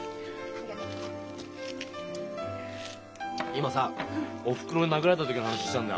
今さおふくろに殴られた時の話してたんだ。